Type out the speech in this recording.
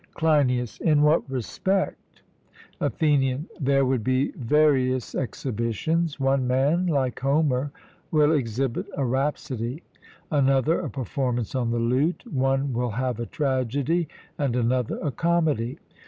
CLEINIAS: In what respect? ATHENIAN: There would be various exhibitions: one man, like Homer, will exhibit a rhapsody, another a performance on the lute; one will have a tragedy, and another a comedy.